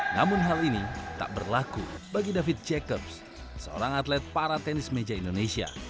namun hal ini tak berlaku bagi david jacobs seorang atlet para tenis meja indonesia